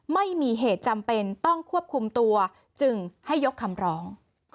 ไม่มีเหตุจำเป็นต้องควบคุมตัวจึงให้ยกคำร้อง